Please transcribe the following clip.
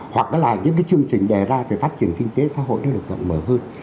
hoặc là những cái chương trình đề ra về phát triển kinh tế xã hội nó được rộng mở hơn